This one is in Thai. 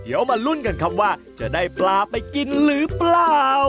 เดี๋ยวมาลุ้นกันครับว่าจะได้ปลาไปกินหรือเปล่า